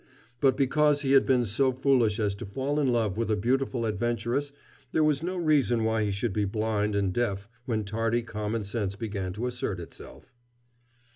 But because he had been so foolish as to fall in love with a beautiful adventuress there was no reason why he should be blind and deaf when tardy common sense began to assert itself.